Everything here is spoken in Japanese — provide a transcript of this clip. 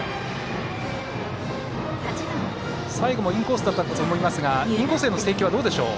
最後もインコースだったと思いますがインコースへの制球どうでしょう。